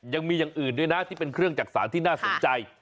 ยังมีอย่างอื่นด้วยนะที่เป็นเครื่องจักษานที่น่าสนใจ